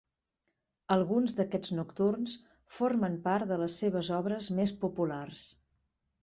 Alguns d'aquests nocturns formen part de les seves obres més populars.